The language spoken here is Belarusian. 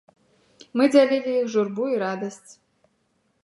Мы дзялілі іх журбу і радасць.